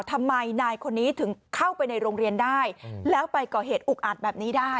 ทำไมนายคนนี้ถึงเข้าไปในโรงเรียนได้แล้วไปก่อเหตุอุกอาจแบบนี้ได้